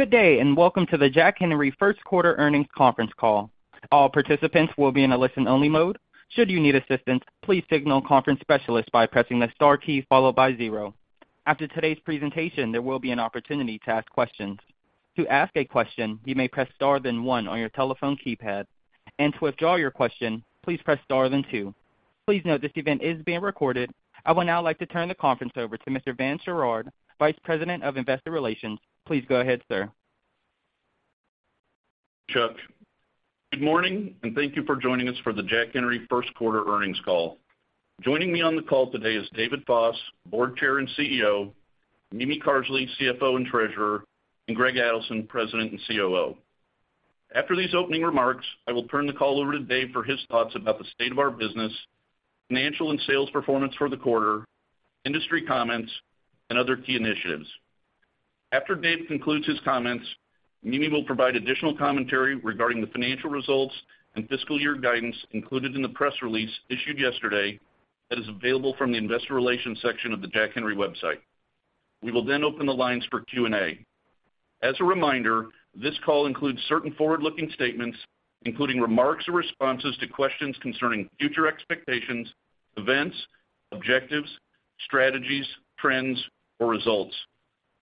Good day, and welcome to the Jack Henry & Associates first quarter earnings conference call. All participants will be in a listen-only mode. Should you need assistance, please signal conference specialist by pressing the star key followed by zero. After today's presentation, there will be an opportunity to ask questions. To ask a question, you may press star then one on your telephone keypad. To withdraw your question, please press star then two. Please note this event is being recorded. I would now like to turn the conference over to Mr. Vance Sherard, Vice President of Investor Relations. Please go ahead, sir. Chuck. Good morning, and thank you for joining us for the Jack Henry first quarter earnings call. Joining me on the call today is David Foss, Board Chair and CEO, Mimi Carsley, CFO and Treasurer, and Greg Adelson, President and COO. After these opening remarks, I will turn the call over to Dave for his thoughts about the state of our business, financial and sales performance for the quarter, industry comments, and other key initiatives. After Dave concludes his comments, Mimi will provide additional commentary regarding the financial results and fiscal year guidance included in the press release issued yesterday that is available from the investor relations section of the Jack Henry website. We will then open the lines for Q&A. As a reminder, this call includes certain forward-looking statements, including remarks or responses to questions concerning future expectations, events, objectives, strategies, trends, or results.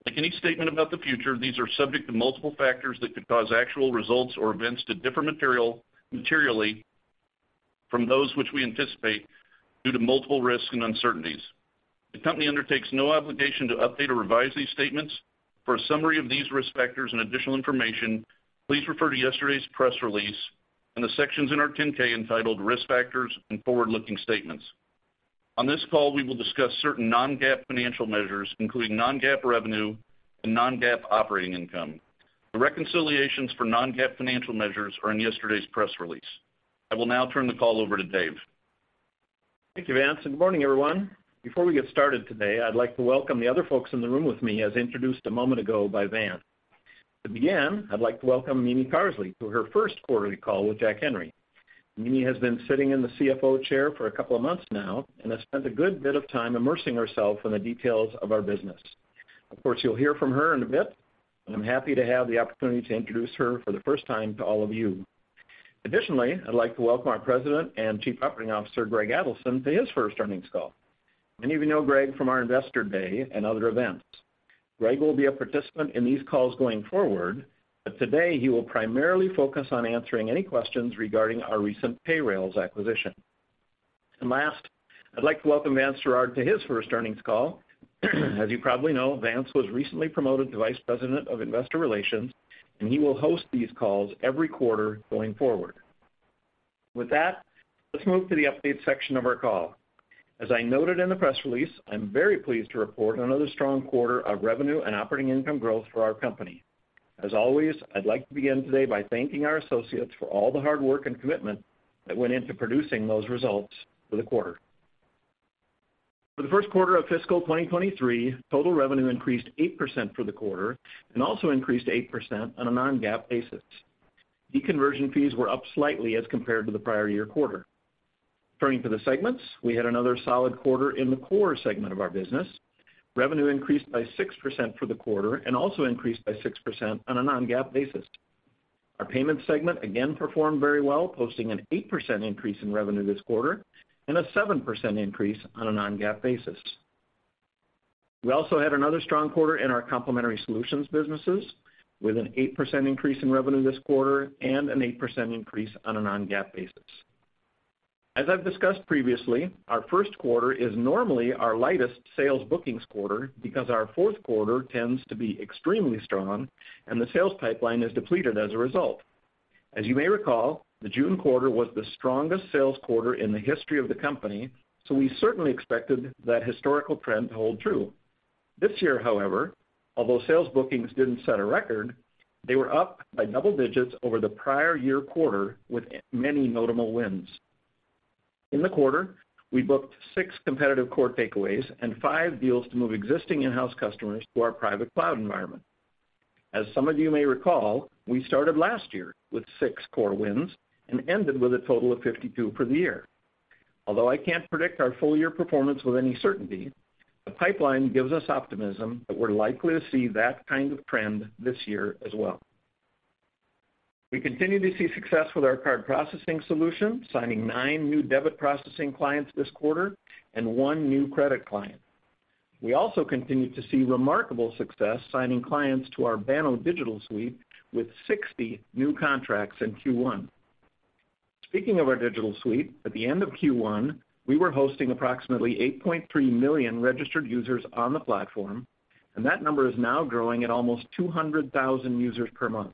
Like any statement about the future, these are subject to multiple factors that could cause actual results or events to differ materially from those which we anticipate due to multiple risks and uncertainties. The company undertakes no obligation to update or revise these statements. For a summary of these risk factors and additional information, please refer to yesterday's press release and the sections in our 10-K entitled Risk Factors and Forward-Looking Statements. On this call, we will discuss certain non-GAAP financial measures, including non-GAAP revenue and non-GAAP operating income. The reconciliations for non-GAAP financial measures are in yesterday's press release. I will now turn the call over to Dave. Thank you, Vance. Good morning, everyone. Before we get started today, I'd like to welcome the other folks in the room with me, as introduced a moment ago by Vance. To begin, I'd like to welcome Mimi Carsley to her first quarterly call with Jack Henry. Mimi has been sitting in the CFO chair for a couple of months now and has spent a good bit of time immersing herself in the details of our business. Of course, you'll hear from her in a bit, and I'm happy to have the opportunity to introduce her for the first time to all of you. Additionally, I'd like to welcome our President and Chief Operating Officer, Greg Adelson, to his first earnings call. Many of you know Greg from our Investor Day and other events. Greg Adelson will be a participant in these calls going forward, but today he will primarily focus on answering any questions regarding our recent Payrailz acquisition. Last, I'd like to welcome Vance Sherard to his first earnings call. As you probably know, Vance was recently promoted to Vice President of Investor Relations, and he will host these calls every quarter going forward. With that, let's move to the update section of our call. As I noted in the press release, I'm very pleased to report another strong quarter of revenue and operating income growth for our company. As always, I'd like to begin today by thanking our associates for all the hard work and commitment that went into producing those results for the quarter. For the first quarter of fiscal 2023, total revenue increased 8% for the quarter and also increased 8% on a non-GAAP basis. Deconversion fees were up slightly as compared to the prior year quarter. Turning to the segments, we had another solid quarter in the core segment of our business. Revenue increased by 6% for the quarter and also increased by 6% on a non-GAAP basis. Our payments segment again performed very well, posting an 8% increase in revenue this quarter and a 7% increase on a non-GAAP basis. We also had another strong quarter in our complementary solutions businesses with an 8% increase in revenue this quarter and an 8% increase on a non-GAAP basis. As I've discussed previously, our first quarter is normally our lightest sales bookings quarter because our fourth quarter tends to be extremely strong and the sales pipeline is depleted as a result. As you may recall, the June quarter was the strongest sales quarter in the history of the company, so we certainly expected that historical trend to hold true. This year, however, although sales bookings didn't set a record, they were up by double digits over the prior year quarter with many notable wins. In the quarter, we booked six competitive core takeaways and five deals to move existing in-house customers to our private cloud environment. As some of you may recall, we started last year with six core wins and ended with a total of 52 for the year. Although I can't predict our full year performance with any certainty, the pipeline gives us optimism that we're likely to see that kind of trend this year as well. We continue to see success with our card processing solution, signing nine new debit processing clients this quarter and one new credit client. We also continue to see remarkable success signing clients to our Banno Digital Suite with 60 new contracts in Q1. Speaking of our digital suite, at the end of Q1, we were hosting approximately 8.3 million registered users on the platform, and that number is now growing at almost 200,000 users per month.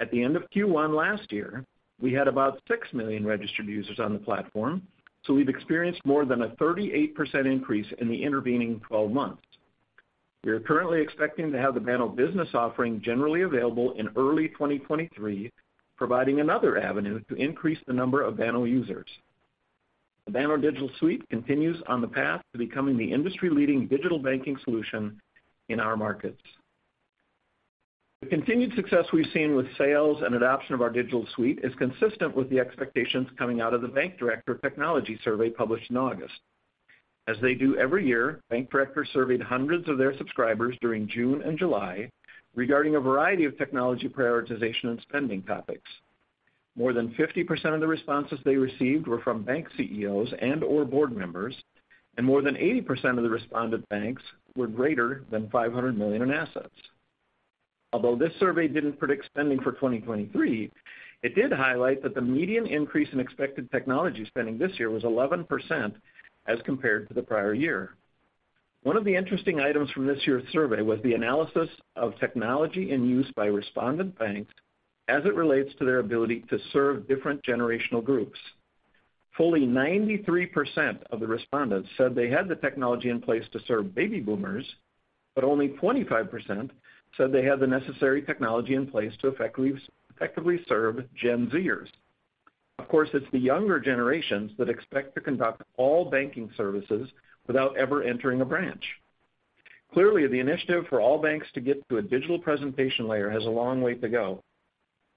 At the end of Q1 last year, we had about six million registered users on the platform, so we've experienced more than a 38% increase in the intervening 12 months. We are currently expecting to have the Banno Business offering generally available in early 2023, providing another avenue to increase the number of Banno users. The Banno Digital Banking Suite continues on the path to becoming the industry-leading digital banking solution in our markets. The continued success we've seen with sales and adoption of our digital suite is consistent with the expectations coming out of the Bank Director Technology Survey published in August. As they do every year, Bank Director surveyed hundreds of their subscribers during June and July regarding a variety of technology prioritization and spending topics. More than 50% of the responses they received were from bank CEOs and or board members, and more than 80% of the respondent banks were greater than $500 million in assets. Although this survey didn't predict spending for 2023, it did highlight that the median increase in expected technology spending this year was 11% as compared to the prior year. One of the interesting items from this year's survey was the analysis of technology in use by respondent banks as it relates to their ability to serve different generational groups. Fully 93% of the respondents said they had the technology in place to serve baby boomers, but only 25% said they had the necessary technology in place to effectively serve Gen Zers. Of course, it's the younger generations that expect to conduct all banking services without ever entering a branch. Clearly, the initiative for all banks to get to a digital presentation layer has a long way to go.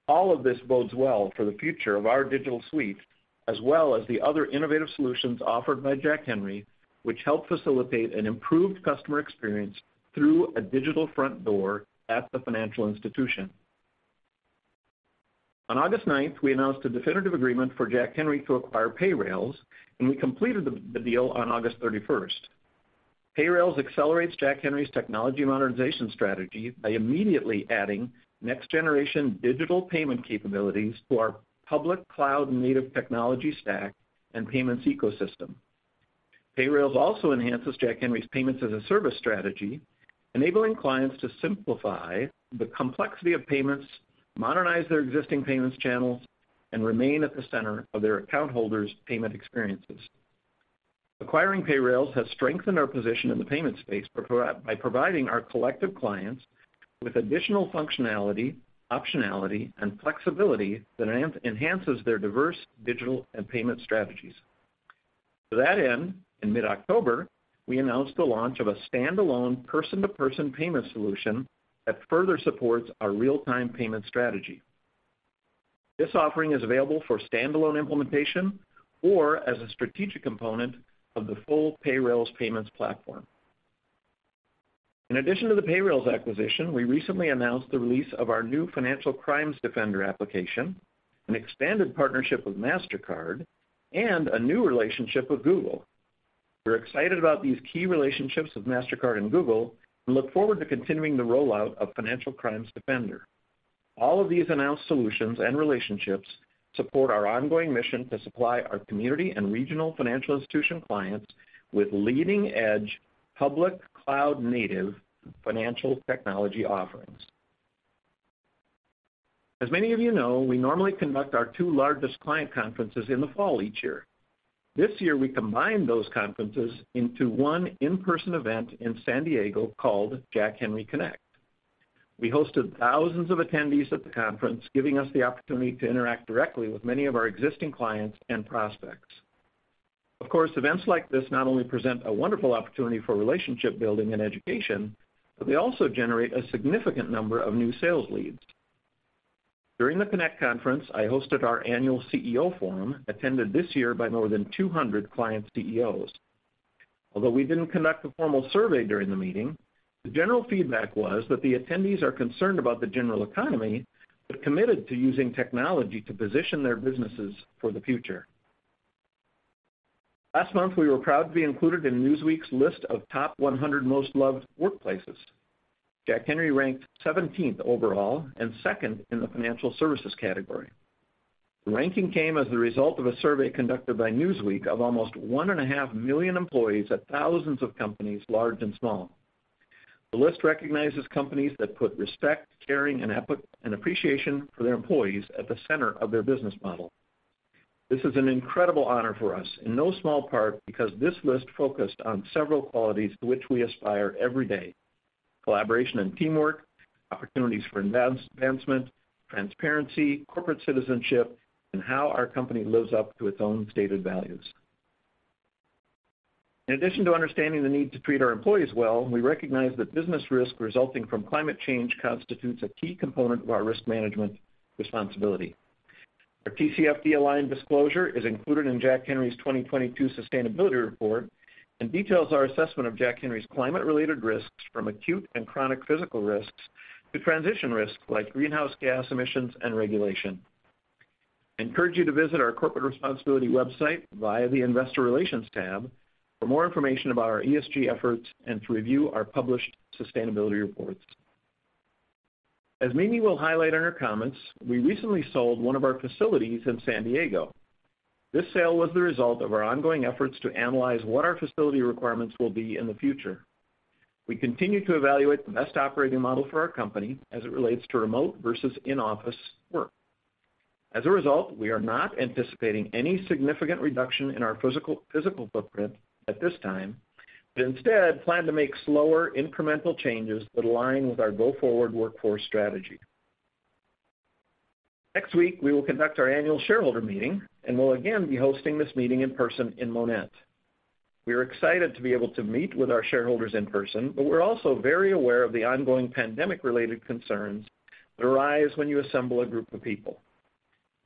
All of this bodes well for the future of our digital suite, as well as the other innovative solutions offered by Jack Henry, which help facilitate an improved customer experience through a digital front door at the financial institution. On August 9th, we announced a definitive agreement for Jack Henry to acquire Payrailz, and we completed the deal on August 31st. Payrailz accelerates Jack Henry's technology modernization strategy by immediately adding next-generation digital payment capabilities to our public cloud-native technology stack and payments ecosystem. Payrailz also enhances Jack Henry's payments-as-a-service strategy, enabling clients to simplify the complexity of payments, modernize their existing payments channels, and remain at the center of their account holders' payment experiences. Acquiring Payrailz has strengthened our position in the payment space by providing our collective clients with additional functionality, optionality, and flexibility that enhances their diverse digital and payment strategies. To that end, in mid-October, we announced the launch of a standalone person-to-person payment solution that further supports our real-time payment strategy. This offering is available for standalone implementation or as a strategic component of the full Payrailz payments platform. In addition to the Payrailz acquisition, we recently announced the release of our new Financial Crimes Defender application, an expanded partnership with Mastercard, and a new relationship with Google. We're excited about these key relationships with Mastercard and Google and look forward to continuing the rollout of Financial Crimes Defender. All of these announced solutions and relationships support our ongoing mission to supply our community and regional financial institution clients with leading-edge public cloud-native financial technology offerings. As many of you know, we normally conduct our two largest client conferences in the fall each year. This year, we combined those conferences into one in-person event in San Diego called Jack Henry Connect. We hosted thousands of attendees at the conference, giving us the opportunity to interact directly with many of our existing clients and prospects. Of course, events like this not only present a wonderful opportunity for relationship building and education, but they also generate a significant number of new sales leads. During the Connect conference, I hosted our annual CEO forum, attended this year by more than 200 client CEOs. Although we didn't conduct a formal survey during the meeting, the general feedback was that the attendees are concerned about the general economy but committed to using technology to position their businesses for the future. Last month, we were proud to be included in Newsweek's list of Top 100 Most Loved Workplaces. Jack Henry ranked 17th overall and second in the financial services category. The ranking came as the result of a survey conducted by Newsweek of almost 1.5 million employees at thousands of companies, large and small. The list recognizes companies that put respect, caring, and appreciation for their employees at the center of their business model. This is an incredible honor for us, in no small part because this list focused on several qualities to which we aspire every day. Collaboration and teamwork, opportunities for advancement, transparency, corporate citizenship, and how our company lives up to its own stated values. In addition to understanding the need to treat our employees well, we recognize that business risk resulting from climate change constitutes a key component of our risk management responsibility. Our TCFD-aligned disclosure is included in Jack Henry's 2022 sustainability report and details our assessment of Jack Henry's climate-related risks from acute and chronic physical risks to transition risks like greenhouse gas emissions and regulation. I encourage you to visit our corporate responsibility website via the Investor Relations tab for more information about our ESG efforts and to review our published sustainability reports. As Mimi will highlight in her comments, we recently sold one of our facilities in San Diego. This sale was the result of our ongoing efforts to analyze what our facility requirements will be in the future. We continue to evaluate the best operating model for our company as it relates to remote versus in-office work. As a result, we are not anticipating any significant reduction in our physical footprint at this time, but instead plan to make slower incremental changes that align with our go-forward workforce strategy. Next week, we will conduct our annual shareholder meeting, and we'll again be hosting this meeting in person in Monett. We are excited to be able to meet with our shareholders in person, but we're also very aware of the ongoing pandemic-related concerns that arise when you assemble a group of people.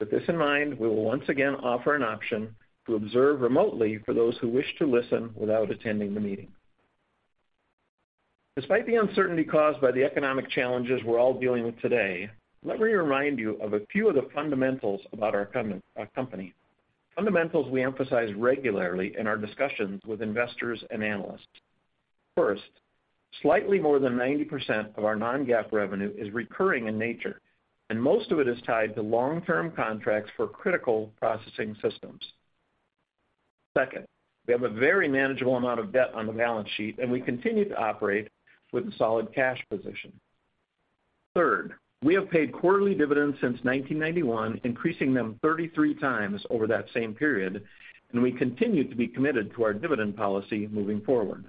With this in mind, we will once again offer an option to observe remotely for those who wish to listen without attending the meeting. Despite the uncertainty caused by the economic challenges we're all dealing with today, let me remind you of a few of the fundamentals about our company, fundamentals we emphasize regularly in our discussions with investors and analysts. First, slightly more than 90% of our non-GAAP revenue is recurring in nature, and most of it is tied to long-term contracts for critical processing systems. Second, we have a very manageable amount of debt on the balance sheet, and we continue to operate with a solid cash position. Third, we have paid quarterly dividends since 1991, increasing them 33 times over that same period, and we continue to be committed to our dividend policy moving forward.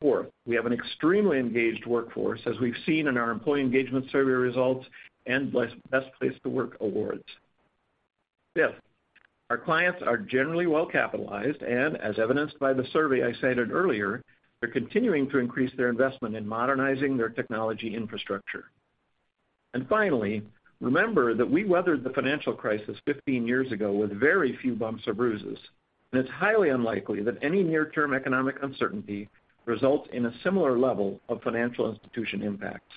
Fourth, we have an extremely engaged workforce, as we've seen in our employee engagement survey results and best places to work awards. Fifth, our clients are generally well-capitalized, and as evidenced by the survey I cited earlier, they're continuing to increase their investment in modernizing their technology infrastructure. Finally, remember that we weathered the financial crisis 15 years ago with very few bumps or bruises, and it's highly unlikely that any near-term economic uncertainty results in a similar level of financial institution impacts.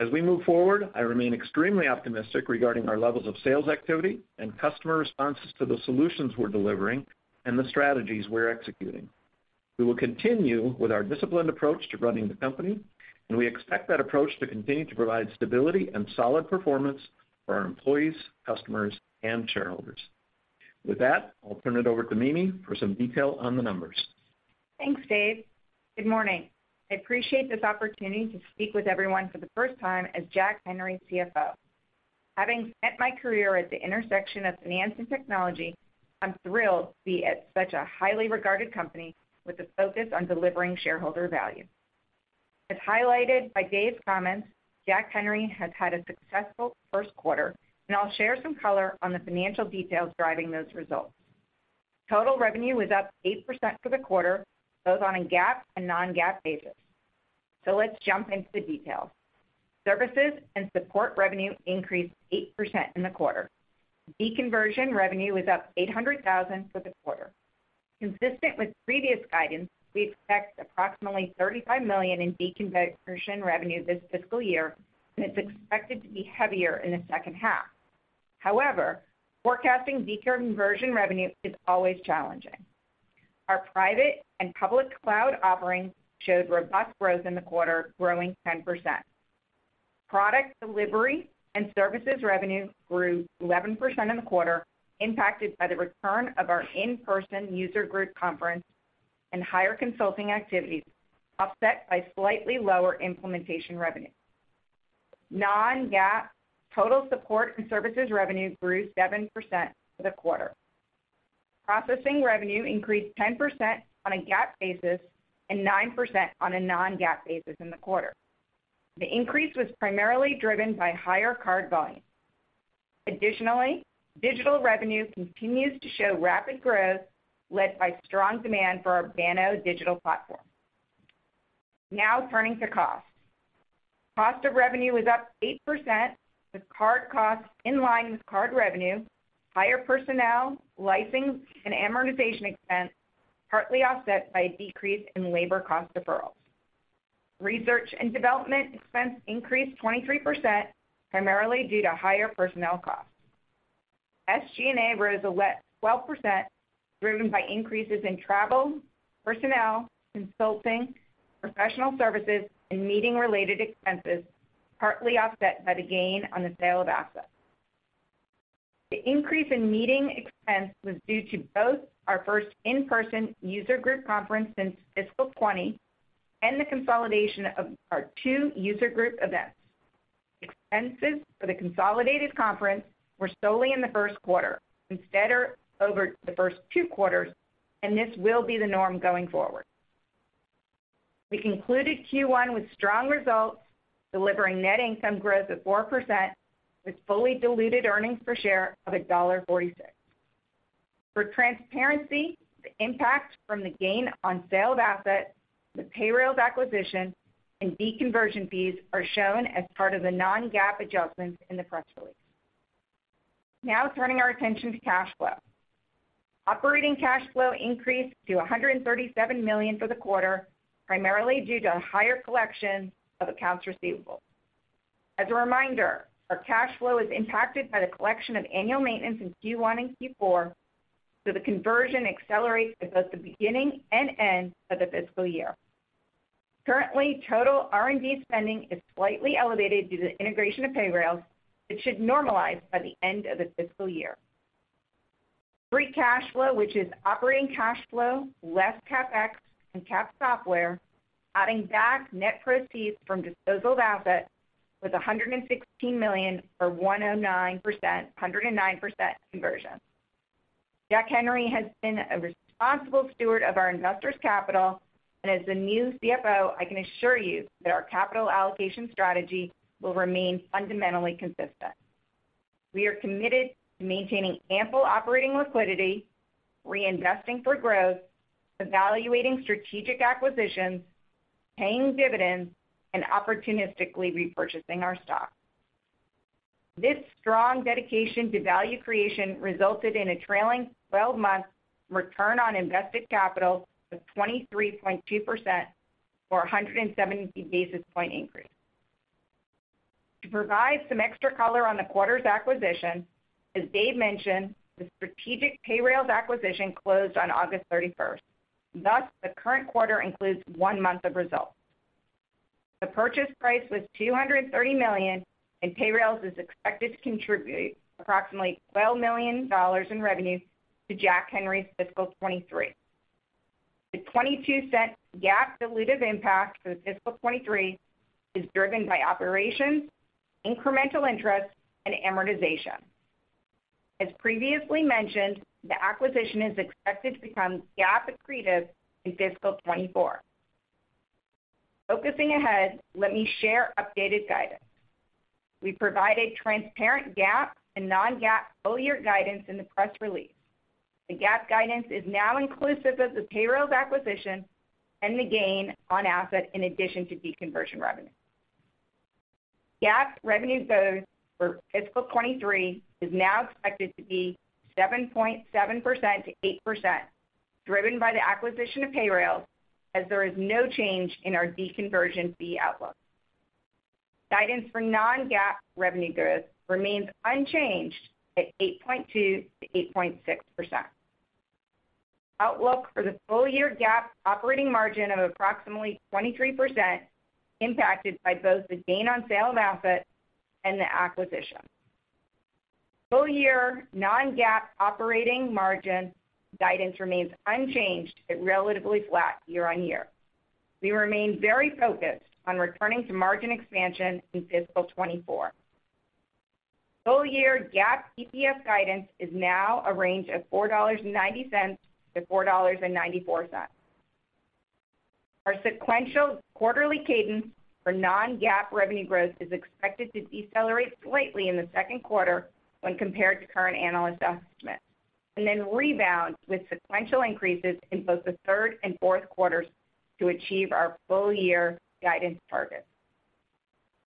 As we move forward, I remain extremely optimistic regarding our levels of sales activity and customer responses to the solutions we're delivering and the strategies we're executing. We will continue with our disciplined approach to running the company, and we expect that approach to continue to provide stability and solid performance for our employees, customers, and shareholders. With that, I'll turn it over to Mimi for some detail on the numbers. Thanks, Dave. Good morning. I appreciate this opportunity to speak with everyone for the first time as Jack Henry CFO. Having spent my career at the intersection of finance and technology, I'm thrilled to be at such a highly regarded company with a focus on delivering shareholder value. As highlighted by Dave's comments, Jack Henry has had a successful first quarter, and I'll share some color on the financial details driving those results. Total revenue was up 8% for the quarter, both on a GAAP and non-GAAP basis. Let's jump into the details. Services and support revenue increased 8% in the quarter. Deconversion revenue was up $800,000 for the quarter. Consistent with previous guidance, we expect approximately $35 million in deconversion revenue this fiscal year, and it's expected to be heavier in the second half. However, forecasting deconversion revenue is always challenging. Our private and public cloud offerings showed robust growth in the quarter, growing 10%. Product delivery and services revenue grew 11% in the quarter, impacted by the return of our in-person user group conference and higher consulting activities, offset by slightly lower implementation revenue. Non-GAAP total support and services revenue grew 7% for the quarter. Processing revenue increased 10% on a GAAP basis and 9% on a non-GAAP basis in the quarter. The increase was primarily driven by higher card volume. Additionally, digital revenue continues to show rapid growth, led by strong demand for our Banno digital platform. Now turning to costs. Cost of revenue was up 8%, with card costs in line with card revenue, higher personnel, licensing, and amortization expense, partly offset by a decrease in labor cost deferrals. Research and development expense increased 23%, primarily due to higher personnel costs. SG&A rose 12%, driven by increases in travel, personnel, consulting, professional services, and meeting-related expenses, partly offset by the gain on the sale of assets. The increase in meeting expense was due to both our first in-person user group conference since fiscal 2020 and the consolidation of our two user group events. Expenses for the consolidated conference were solely in the first quarter instead of over the first two quarters, and this will be the norm going forward. We concluded Q1 with strong results, delivering net income growth of 4%, with fully diluted earnings per share of $1.46. For transparency, the impact from the gain on sale of assets, the Payrailz acquisition, and deconversion fees are shown as part of the non-GAAP adjustments in the press release. Now turning our attention to cash flow. Operating cash flow increased to $137 million for the quarter, primarily due to higher collection of accounts receivable. As a reminder, our cash flow is impacted by the collection of annual maintenance in Q1 and Q4, so the conversion accelerates at both the beginning and end of the fiscal year. Currently, total R&D spending is slightly elevated due to the integration of Payrailz, which should normalize by the end of the fiscal year. Free cash flow, which is operating cash flow less CapEx and capitalized software, adding back net proceeds from disposal of assets, was $116 million, or 109% conversion. Jack Henry has been a responsible steward of our investors' capital, and as the new CFO, I can assure you that our capital allocation strategy will remain fundamentally consistent. We are committed to maintaining ample operating liquidity, reinvesting for growth, evaluating strategic acquisitions, paying dividends and opportunistically repurchasing our stock. This strong dedication to value creation resulted in a trailing twelve-month return on invested capital of 23.2% or a 170 basis point increase. To provide some extra color on the quarter's acquisition, as Dave mentioned, the strategic Payrailz acquisition closed on August 31. Thus, the current quarter includes one month of results. The purchase price was $230 million, and Payrailz is expected to contribute approximately $12 million in revenue to Jack Henry's fiscal 2023. The $0.22 GAAP dilutive impact for the fiscal 2023 is driven by operations, incremental interest and amortization. As previously mentioned, the acquisition is expected to become GAAP accretive in fiscal 2024. Focusing ahead, let me share updated guidance. We provided transparent GAAP and non-GAAP full-year guidance in the press release. The GAAP guidance is now inclusive of the Payrailz acquisition and the gain on asset in addition to deconversion revenue. GAAP revenue growth for fiscal 2023 is now expected to be 7.7%-8%, driven by the acquisition of Payrailz, as there is no change in our deconversion fee outlook. Guidance for non-GAAP revenue growth remains unchanged at 8.2%-8.6%. Outlook for the full-year GAAP operating margin of approximately 23% impacted by both the gain on sale of asset and the acquisition. Full-year non-GAAP operating margin guidance remains unchanged at relatively flat year-on-year. We remain very focused on returning to margin expansion in fiscal 2024. Full year GAAP EPS guidance is now a range of $4.90-$4.94. Our sequential quarterly cadence for non-GAAP revenue growth is expected to decelerate slightly in the second quarter when compared to current analyst estimates, and then rebound with sequential increases in both the third and fourth quarters to achieve our full year guidance targets.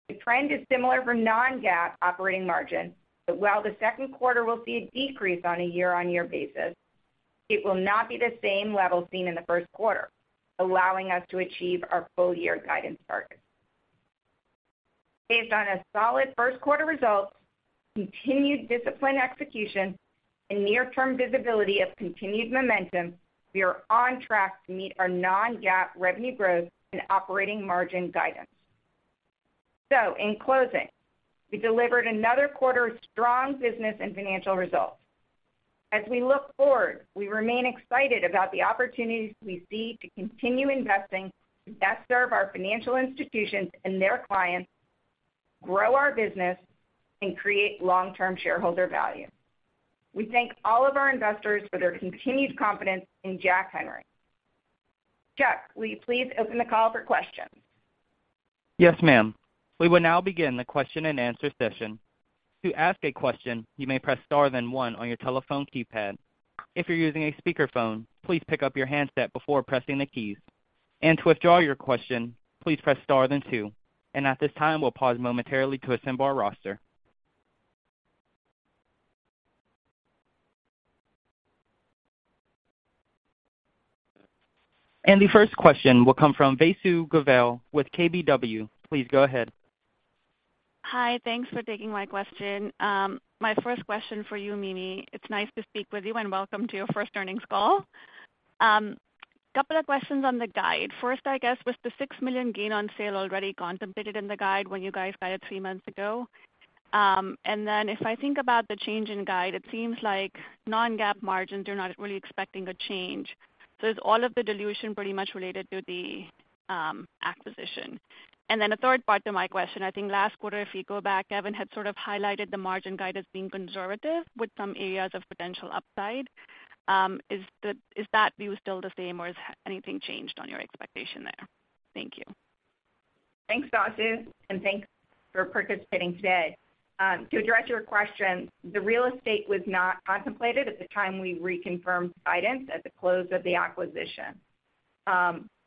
The trend is similar for non-GAAP operating margin. While the second quarter will see a decrease on a year-on-year basis, it will not be the same level seen in the first quarter, allowing us to achieve our full year guidance targets. Based on a solid first quarter results, continued disciplined execution and near-term visibility of continued momentum, we are on track to meet our non-GAAP revenue growth and operating margin guidance. In closing, we delivered another quarter of strong business and financial results. As we look forward, we remain excited about the opportunities we see to continue investing to best serve our financial institutions and their clients, grow our business and create long-term shareholder value. We thank all of our investors for their continued confidence in Jack Henry. Chuck, will you please open the call for questions? Yes, ma'am. We will now begin the question-and-answer session. To ask a question, you may press star then one on your telephone keypad. If you're using a speakerphone, please pick up your handset before pressing the keys. To withdraw your question, please press star then two. At this time, we'll pause momentarily to assemble our roster. The first question will come from Vasu Govil with KBW. Please go ahead. Hi. Thanks for taking my question. My first question for you, Mimi. It's nice to speak with you, and welcome to your first earnings call. Couple of questions on the guide. First, I guess, was the $6 million gain on sale already contemplated in the guide when you guys guided three months ago? If I think about the change in guide, it seems like non-GAAP margins are not really expecting a change. Is all of the dilution pretty much related to the acquisition? A third part to my question. I think last quarter, if we go back, Kevin had sort of highlighted the margin guide as being conservative with some areas of potential upside. Is that view still the same or has anything changed on your expectation there? Thank you. Thanks, Vasu, and thanks for participating today. To address your question, the real estate was not contemplated at the time we reconfirmed guidance at the close of the acquisition.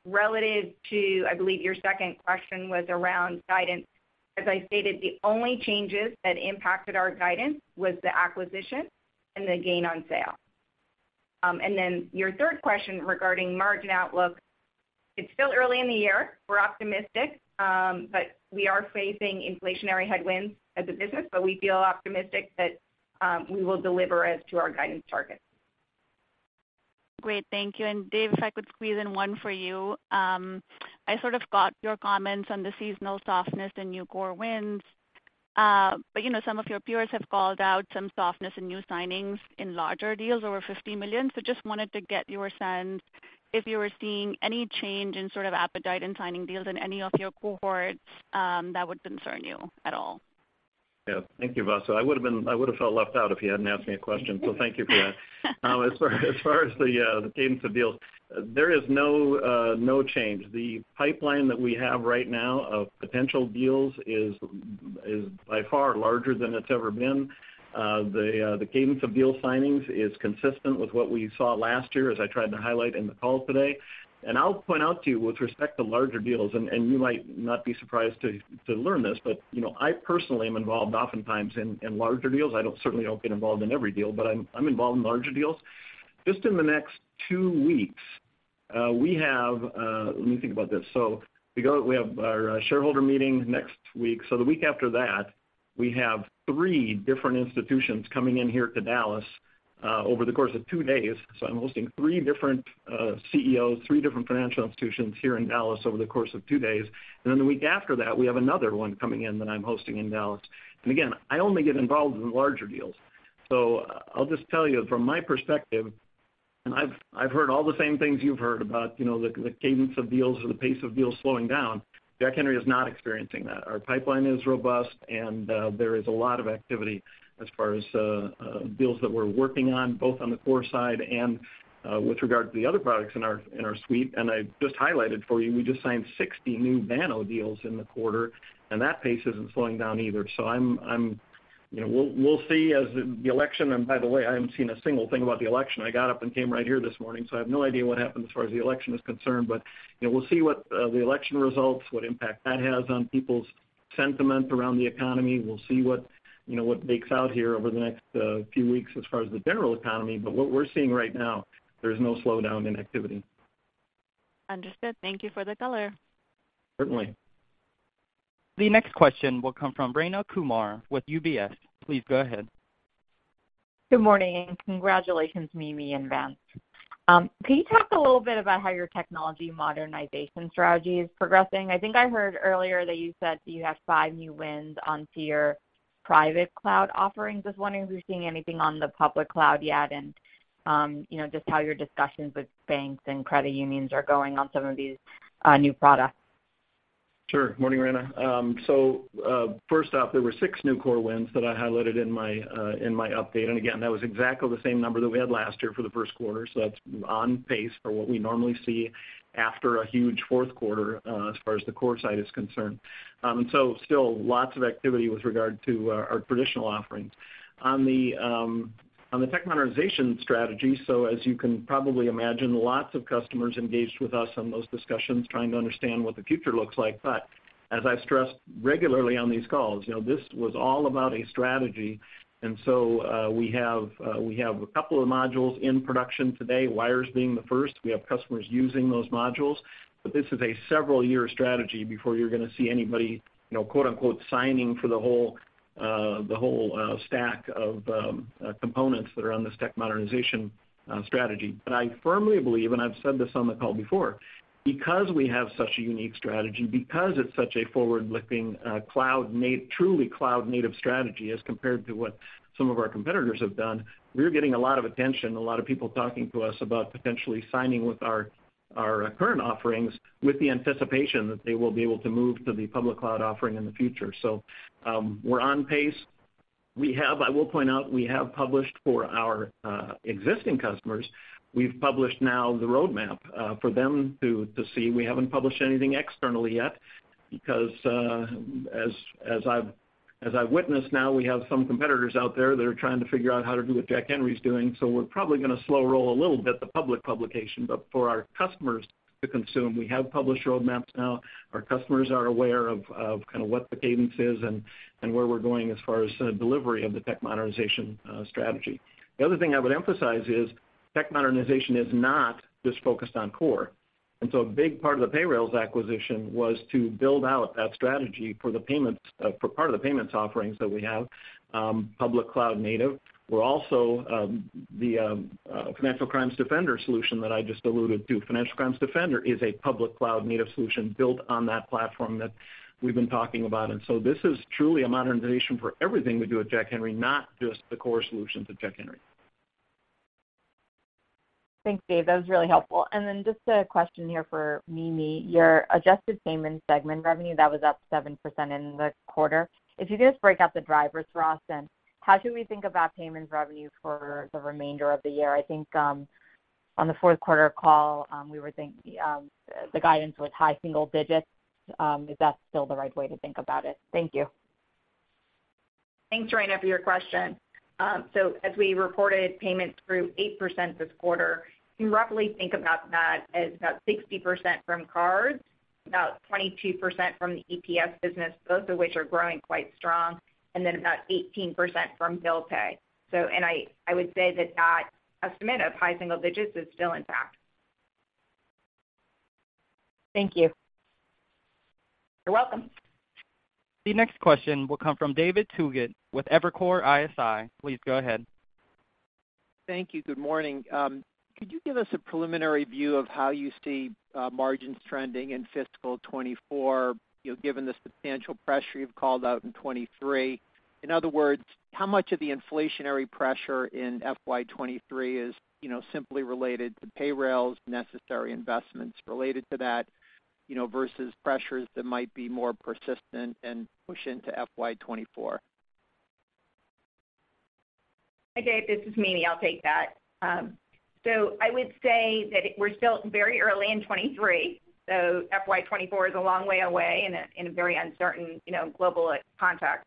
Relative to, I believe, your second question was around guidance. As I stated, the only changes that impacted our guidance was the acquisition and the gain on sale. Your third question regarding margin outlook, it's still early in the year. We're optimistic, but we are facing inflationary headwinds as a business, but we feel optimistic that we will deliver as to our guidance targets. Great. Thank you. Dave, if I could squeeze in one for you. I sort of got your comments on the seasonal softness and new core wins. You know, some of your peers have called out some softness in new signings in larger deals over $50 million. Just wanted to get your sense if you were seeing any change in sort of appetite in signing deals in any of your cohorts, that would concern you at all? Yeah. Thank you, Vasu. I would've felt left out if you hadn't asked me a question, so thank you for that. Now, as far as the cadence of deals, there is no change. The pipeline that we have right now of potential deals is by far larger than it's ever been. The cadence of deal signings is consistent with what we saw last year, as I tried to highlight in the call today. I'll point out to you with respect to larger deals, and you might not be surprised to learn this, but you know, I personally am involved oftentimes in larger deals. I certainly don't get involved in every deal, but I'm involved in larger deals. Just in the next two weeks, we have, let me think about this. We have our shareholder meeting next week. The week after that, we have three different institutions coming in here to Dallas over the course of two days. I'm hosting three different CEOs, three different financial institutions here in Dallas over the course of two days. Then the week after that, we have another one coming in that I'm hosting in Dallas. Again, I only get involved in larger deals. I'll just tell you from my perspective, and I've heard all the same things you've heard about, you know, the cadence of deals or the pace of deals slowing down. Jack Henry is not experiencing that. Our pipeline is robust, and there is a lot of activity as far as deals that we're working on, both on the core side and with regard to the other products in our suite. I just highlighted for you, we just signed 60 new Banno deals in the quarter, and that pace isn't slowing down either. You know, we'll see as the election. By the way, I haven't seen a single thing about the election. I got up and came right here this morning, so I have no idea what happened as far as the election is concerned. You know, we'll see what the election results, what impact that has on people's sentiment around the economy. We'll see what, you know, bakes out here over the next few weeks as far as the general economy. What we're seeing right now, there's no slowdown in activity. Understood. Thank you for the color. Certainly. The next question will come from Rayna Kumar with UBS. Please go ahead. Good morning, and congratulations, Mimi and Vance. Can you talk a little bit about how your technology modernization strategy is progressing? I think I heard earlier that you said that you have five new wins onto your private cloud offerings. Just wondering if you're seeing anything on the public cloud yet and, you know, just how your discussions with banks and credit unions are going on some of these new products. Sure. Morning, Rayna. First off, there were six new core wins that I highlighted in my update. Again, that was exactly the same number that we had last year for the first quarter. That's on pace for what we normally see after a huge fourth quarter, as far as the core side is concerned. Still lots of activity with regard to our traditional offerings. On the tech modernization strategy, as you can probably imagine, lots of customers engaged with us on those discussions, trying to understand what the future looks like. As I've stressed regularly on these calls, you know, this was all about a strategy. We have a couple of modules in production today, wires being the first. We have customers using those modules. This is a several-year strategy before you're gonna see anybody, you know, quote, unquote, signing for the whole stack of components that are on this tech modernization strategy. I firmly believe, and I've said this on the call before, because we have such a unique strategy, because it's such a forward-looking, truly cloud-native strategy as compared to what some of our competitors have done, we're getting a lot of attention, a lot of people talking to us about potentially signing with our current offerings with the anticipation that they will be able to move to the public cloud offering in the future. We're on pace. I will point out, we have published for our existing customers, we've published now the roadmap for them to see. We haven't published anything externally yet because as I've witnessed now, we have some competitors out there that are trying to figure out how to do what Jack Henry is doing. We're probably gonna slow roll a little bit the public publication. For our customers to consume, we have published roadmaps now. Our customers are aware of kind of what the cadence is and where we're going as far as the delivery of the tech modernization strategy. The other thing I would emphasize is tech modernization is not just focused on core. A big part of the Payrailz acquisition was to build out that strategy for the payments for part of the payments offerings that we have, public cloud native, where also the Financial Crimes Defender solution that I just alluded to. Financial Crimes Defender is a public cloud native solution built on that platform that we've been talking about. This is truly a modernization for everything we do at Jack Henry, not just the core solutions at Jack Henry. Thanks, Dave. That was really helpful. Just a question here for Mimi. Your adjusted payments segment revenue, that was up 7% in the quarter. If you could just break out the drivers for us, and how should we think about payments revenue for the remainder of the year? I think, on the fourth quarter call, the guidance was high single digits, if that's still the right way to think about it. Thank you. Thanks, Rayna, for your question. As we reported payments grew 8% this quarter, you can roughly think about that as about 60% from cards, about 22% from the EPS business, both of which are growing quite strong, and then about 18% from bill pay. I would say that estimate of high single digits is still intact. Thank you. You're welcome. The next question will come from David Togut with Evercore ISI. Please go ahead. Thank you. Good morning. Could you give us a preliminary view of how you see margins trending in fiscal 2024, you know, given the substantial pressure you've called out in 2023? In other words, how much of the inflationary pressure in FY 2023 is, you know, simply related to Payrailz necessary investments related to that, you know, versus pressures that might be more persistent and push into FY 2024? Hi, Dave. This is Mimi. I'll take that. So I would say that we're still very early in 2023, so FY 2024 is a long way away in a very uncertain, you know, global context.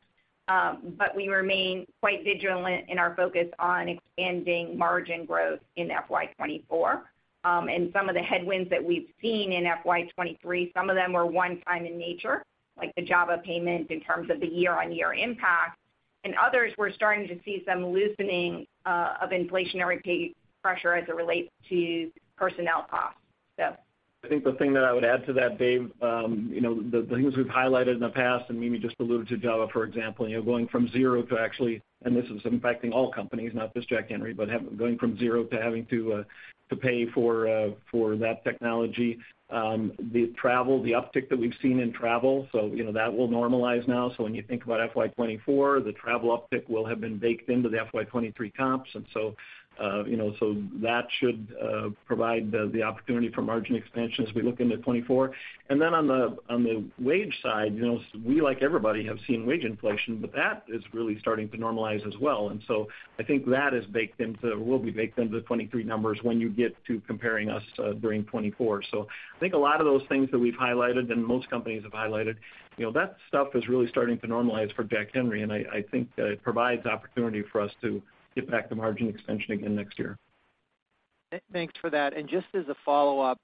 We remain quite vigilant in our focus on expanding margin growth in FY 2024. Some of the headwinds that we've seen in FY 2023, some of them were one-time in nature, like the JHA payment in terms of the year-on-year impact. In others, we're starting to see some loosening of inflationary pay pressure as it relates to personnel costs. I think the thing that I would add to that, Dave, you know, the things we've highlighted in the past, and Mimi just alluded to JHA, for example, you know, going from zero to having to pay for that technology. The travel, the uptick that we've seen in travel, you know, that will normalize now. When you think about FY 2024, the travel uptick will have been baked into the FY 2023 comps. That should provide the opportunity for margin expansion as we look into 2024. Then on the wage side, you know, we, like everybody, have seen wage inflation, but that is really starting to normalize as well. I think that is baked into, or will be baked into the 2023 numbers when you get to comparing us during 2024. I think a lot of those things that we've highlighted and most companies have highlighted, you know, that stuff is really starting to normalize for Jack Henry, and I think it provides opportunity for us to get back to margin expansion again next year. Thanks for that. Just as a follow-up,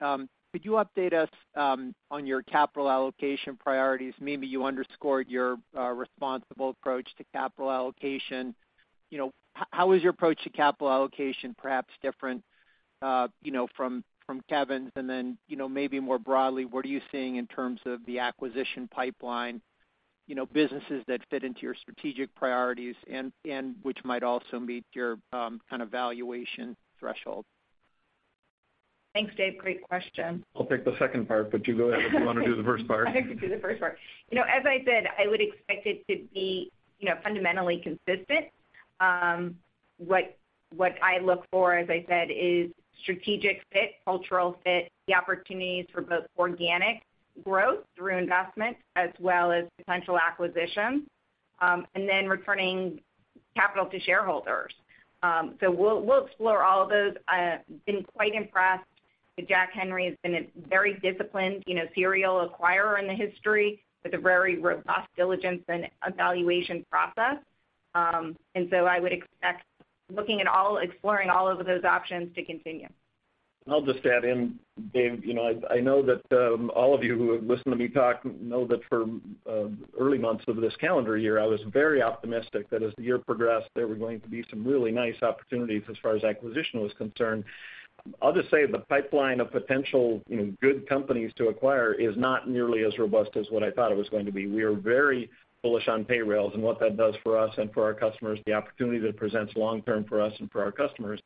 could you update us on your capital allocation priorities? Mimi, you underscored your responsible approach to capital allocation. You know, how is your approach to capital allocation perhaps different, you know, from Kevin's? You know, maybe more broadly, what are you seeing in terms of the acquisition pipeline, you know, businesses that fit into your strategic priorities and which might also meet your kind of valuation threshold? Thanks, Dave. Great question. I'll take the second part, but you go ahead if you wanna do the first part. I can do the first part. You know, as I said, I would expect it to be, you know, fundamentally consistent. What I look for, as I said, is strategic fit, cultural fit, the opportunities for both organic growth through investment as well as potential acquisitions, and then returning capital to shareholders. We'll explore all of those. Been quite impressed that Jack Henry has been a very disciplined, you know, serial acquirer in the history with a very robust diligence and evaluation process. I would expect looking at all, exploring all of those options to continue. I'll just add in, Dave, you know, I know that for early months of this calendar year, I was very optimistic that as the year progressed, there were going to be some really nice opportunities as far as acquisition was concerned. I'll just say the pipeline of potential, you know, good companies to acquire is not nearly as robust as what I thought it was going to be. We are very bullish on Payrailz and what that does for us and for our customers, the opportunity that it presents long term for us and for our customers.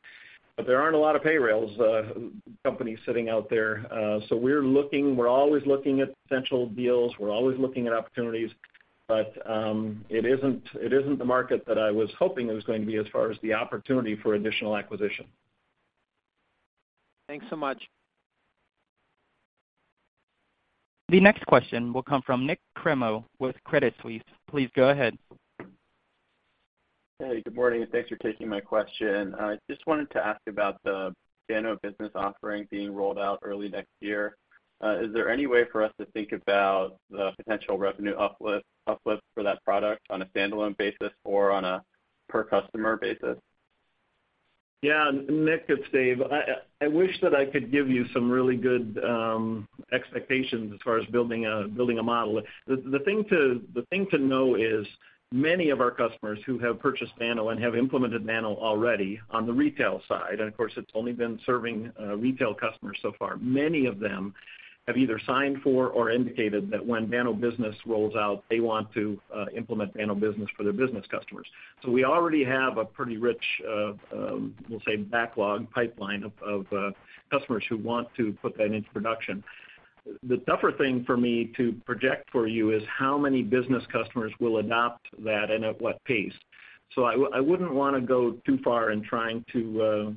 There aren't a lot of Payrailz companies sitting out there. We're looking, we're always looking at potential deals. We're always looking at opportunities. It isn't the market that I was hoping it was going to be as far as the opportunity for additional acquisition. Thanks so much. The next question will come from Nik Cremo with Credit Suisse. Please go ahead. Hey, good morning, and thanks for taking my question. I just wanted to ask about the Banno business offering being rolled out early next year. Is there any way for us to think about the potential revenue uplift for that product on a standalone basis or on a per customer basis? Yeah. Nik, it's Dave. I wish that I could give you some really good expectations as far as building a model. The thing to know is many of our customers who have purchased Banno and have implemented Banno already on the retail side, and of course, it's only been serving retail customers so far. Many of them have either signed for or indicated that when Banno Business rolls out, they want to implement Banno Business for their business customers. So we already have a pretty rich, we'll say backlog pipeline of customers who want to put that into production. The tougher thing for me to project for you is how many business customers will adopt that and at what pace. I wouldn't wanna go too far in trying to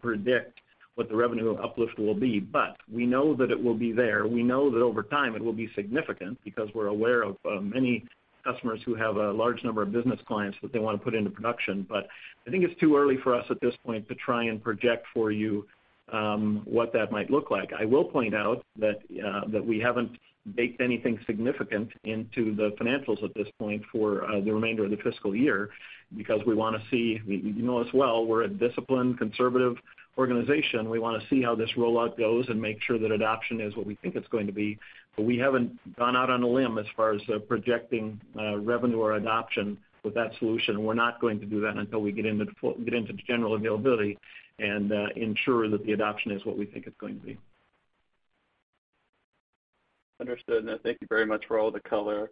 predict what the revenue uplift will be, but we know that it will be there. We know that over time, it will be significant because we're aware of many customers who have a large number of business clients that they wanna put into production. I think it's too early for us at this point to try and project for you what that might look like. I will point out that we haven't baked anything significant into the financials at this point for the remainder of the fiscal year because we wanna see, you know, as well, we're a disciplined, conservative organization. We wanna see how this rollout goes and make sure that adoption is what we think it's going to be. We haven't gone out on a limb as far as projecting revenue or adoption with that solution. We're not going to do that until we get into general availability and ensure that the adoption is what we think it's going to be. Understood. Thank you very much for all the color.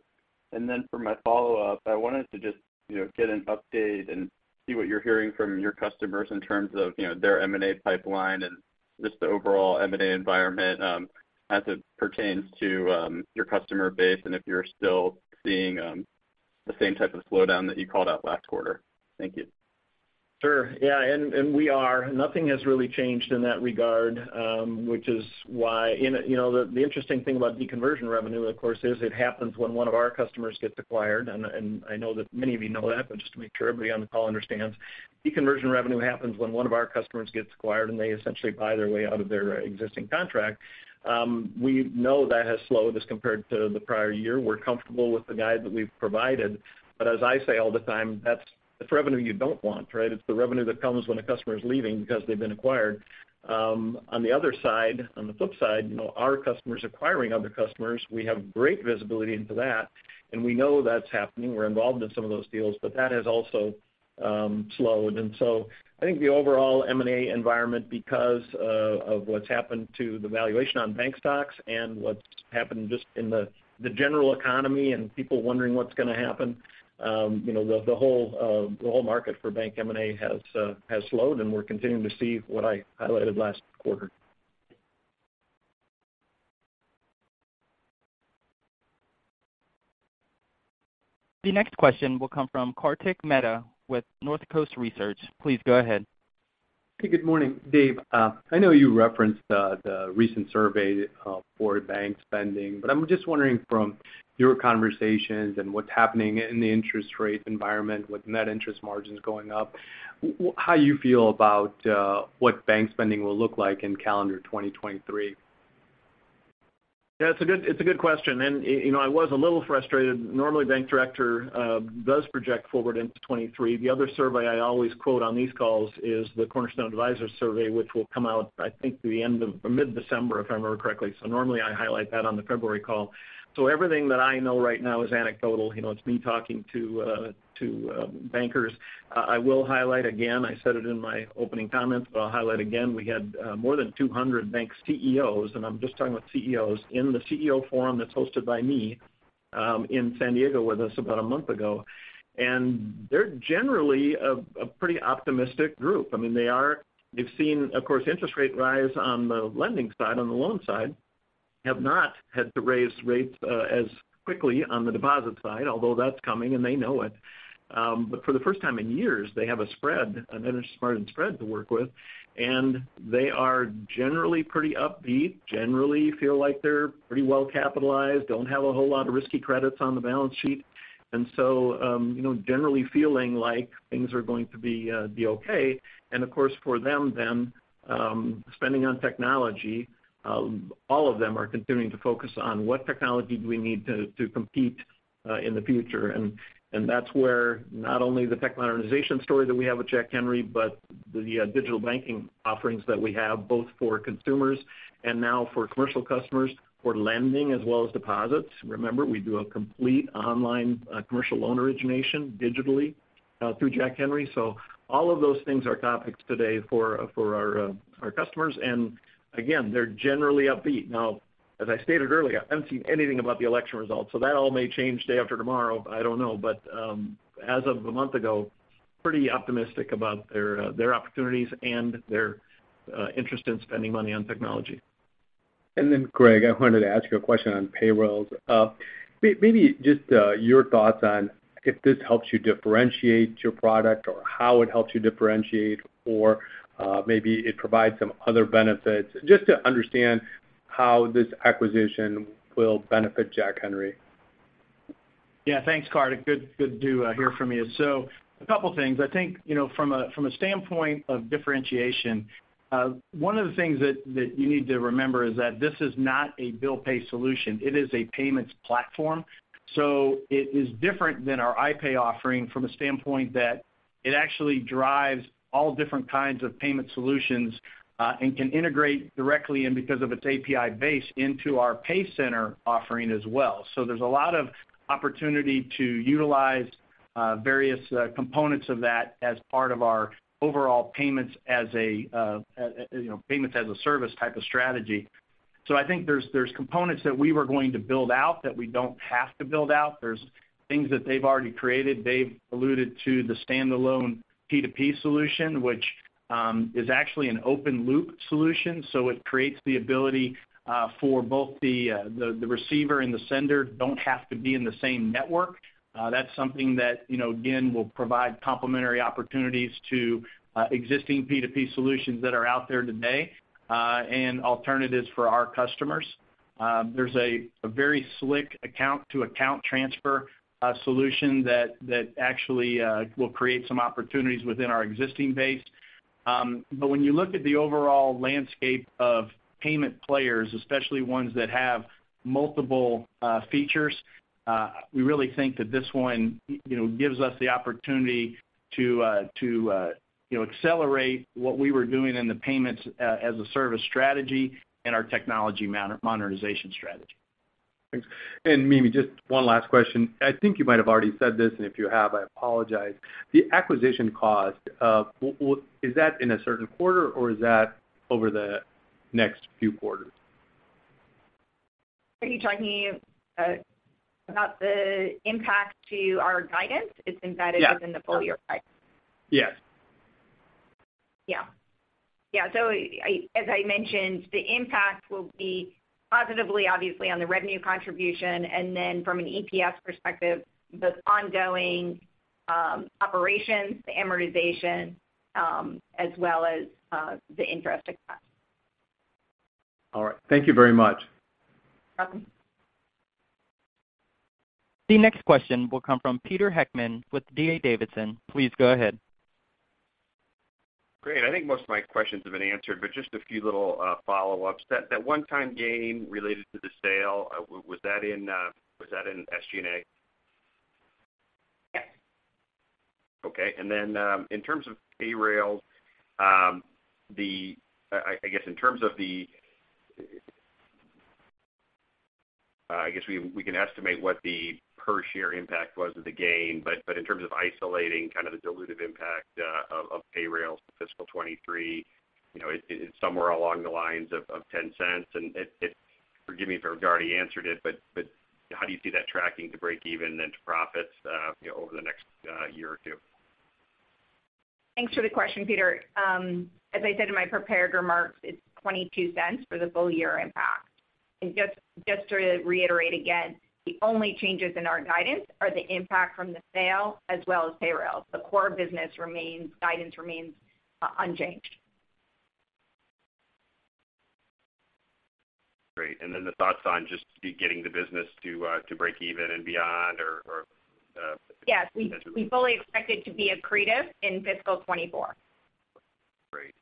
Then for my follow-up, I wanted to just, you know, get an update and see what you're hearing from your customers in terms of, you know, their M&A pipeline and just the overall M&A environment, as it pertains to, your customer base, and if you're still seeing, the same type of slowdown that you called out last quarter. Thank you. Sure. Yeah, we are. Nothing has really changed in that regard, which is why you know, the interesting thing about deconversion revenue, of course, is it happens when one of our customers gets acquired. I know that many of you know that, but just to make sure everybody on the call understands. Deconversion revenue happens when one of our customers gets acquired, and they essentially buy their way out of their existing contract. We know that has slowed as compared to the prior year. We're comfortable with the guide that we've provided. As I say all the time, that's revenue you don't want, right? It's the revenue that comes when a customer is leaving because they've been acquired. On the other side, on the flip side, you know, our customers acquiring other customers, we have great visibility into that, and we know that's happening. We're involved in some of those deals, but that has also slowed. I think the overall M&A environment, because of what's happened to the valuation on bank stocks and what's happened just in the general economy and people wondering what's gonna happen, you know, the whole market for bank M&A has slowed, and we're continuing to see what I highlighted last quarter. The next question will come from Kartik Mehta with Northcoast Research. Please go ahead. Hey, good morning. Dave, I know you referenced the recent survey for bank spending, but I'm just wondering from your conversations and what's happening in the interest rate environment with net interest margins going up, how you feel about what bank spending will look like in calendar 2023? Yeah, it's a good question. You know, I was a little frustrated. Normally, Bank Director does project forward into 2023. The other survey I always quote on these calls is the Cornerstone Advisors survey, which will come out, I think, the end of or mid-December, if I remember correctly. Normally, I highlight that on the February call. Everything that I know right now is anecdotal. You know, it's me talking to bankers. I will highlight again, I said it in my opening comments, but I'll highlight again, we had more than 200 bank CEOs, and I'm just talking about CEOs, in the CEO forum that's hosted by me in San Diego with us about a month ago. They're generally a pretty optimistic group. I mean, they are—they've seen, of course, interest rate rise on the lending side, on the loan side, have not had to raise rates as quickly on the deposit side, although that's coming, and they know it. For the first time in years, they have a spread, an interest margin spread to work with, and they are generally pretty upbeat, generally feel like they're pretty well capitalized, don't have a whole lot of risky credits on the balance sheet. You know, generally feeling like things are going to be okay. Of course, for them then, spending on technology, all of them are continuing to focus on what technology do we need to to compete in the future. That's where not only the tech modernization story that we have with Jack Henry, but the digital banking offerings that we have both for consumers and now for commercial customers, for lending as well as deposits. Remember, we do a complete online commercial loan origination digitally through Jack Henry. All of those things are topics today for our customers. Again, they're generally upbeat. Now, as I stated earlier, I haven't seen anything about the election results, so that all may change day after tomorrow, I don't know. As of a month ago, pretty optimistic about their opportunities and their interest in spending money on technology. Greg, I wanted to ask you a question on Payrailz. Maybe just your thoughts on if this helps you differentiate your product or how it helps you differentiate or maybe it provides some other benefits, just to understand how this acquisition will benefit Jack Henry. Yeah. Thanks, Kartik. Good to hear from you. A couple things. I think, you know, from a standpoint of differentiation, one of the things that you need to remember is that this is not a bill pay solution. It is a payments platform. It is different than our iPay offering from a standpoint that it actually drives all different kinds of payment solutions, and can integrate directly into because of its API base into our JHA PayCenter offering as well. There's a lot of opportunity to utilize various components of that as part of our overall payments as a, you know, payments as a service type of strategy. I think there's components that we were going to build out that we don't have to build out. There's things that they've already created. They've alluded to the standalone P2P solution, which is actually an open loop solution, so it creates the ability for both the receiver and the sender don't have to be in the same network. That's something that, you know, again, will provide complementary opportunities to existing P2P solutions that are out there today and alternatives for our customers. There's a very slick account-to-account transfer solution that actually will create some opportunities within our existing base. When you look at the overall landscape of payment players, especially ones that have multiple features, we really think that this one, you know, gives us the opportunity to accelerate what we were doing in the payments as a service strategy and our technology modernization strategy. Thanks. Mimi, just one last question. I think you might have already said this, and if you have, I apologize. The acquisition cost, is that in a certain quarter, or is that over the next few quarters? Are you talking about the impact to our guidance? It's embedded. Yeah. Within the full-year guidance. Yes. Yeah. I, as I mentioned, the impact will be positively, obviously, on the revenue contribution, and then from an EPS perspective, the ongoing operations, the amortization, as well as the interest expense. All right. Thank you very much. Welcome. The next question will come from Peter Heckmann with D.A. Davidson. Please go ahead. Great. I think most of my questions have been answered, but just a few little follow-ups. That one-time gain related to the sale, was that in SG&A? Yes. Okay. In terms of Payrailz, I guess we can estimate what the per share impact was of the gain, but in terms of isolating kind of the dilutive impact of Payrailz for fiscal 2023, you know, it's somewhere along the lines of $0.10. Forgive me if you've already answered it, but how do you see that tracking to breakeven then to profits, you know, over the next year or two? Thanks for the question, Peter. As I said in my prepared remarks, it's $0.22 for the full year impact. Just to reiterate again, the only changes in our guidance are the impact from the sale as well as Payrailz. The core business guidance remains unchanged. Great. Then the thoughts on just getting the business to break even and beyond or. Yes, we fully expect it to be accretive in fiscal 2024. Great.